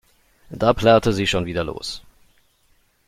Da plärrte sie schon wieder los.